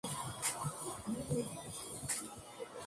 Fue así que desapareció su gran legado a la humanidad.